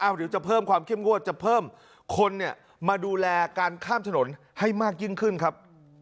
หรือจะเพิ่มความเข้มงวดจะเพิ่มคนมาดูแลการข้ามถนนให้มากยิ่งขึ้นครับ